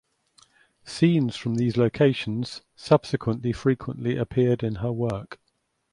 Scenes from these locations subsequently frequently appeared in her work.